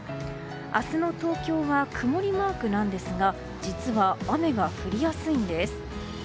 明日の東京は曇りマークなんですが実は雨が降りやすいんです。